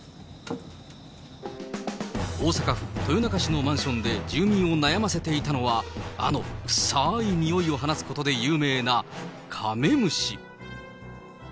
大阪府豊中市のマンションで住民を悩ませていたのは、あのくさーい臭いを放つことで有名なカメムシ。